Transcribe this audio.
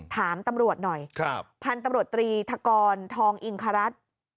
ถามตำรวจหน่อยพันธุ์ตำรวจตรีธกรทองอิงครัฐ